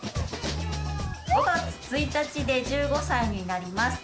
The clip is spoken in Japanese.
５月１日で１５歳になります。